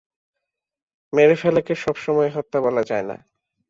মেরে ফেলাকে সবসময় হত্যা বলা যায় না!